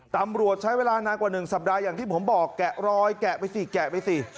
ตำรวจใช้เวลานานกว่า๑สัปดาห์อย่างที่ผมบอกแกะรอยแกะไปสิแกะไปสิ